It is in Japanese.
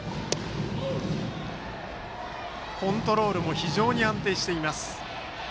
コントロールも非常に安定しています。